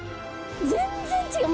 全然違う。